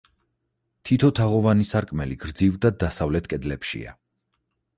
თითო თაღოვანი სარკმელი გრძივ და დასავლეთ კედლებშია.